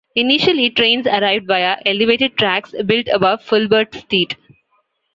Initially, trains arrived via elevated tracks built above Filbert Street.